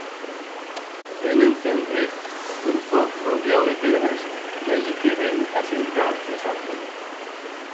Vem encenre un foc rodiau de pedras y allí que vem asentar la sartén.